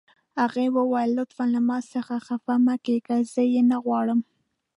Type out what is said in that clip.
هغې وویل: لطفاً له ما څخه خفه مه کیږئ، زه یې نه غواړم.